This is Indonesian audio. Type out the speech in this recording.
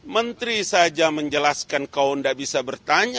menteri saja menjelaskan kau tidak bisa bertanya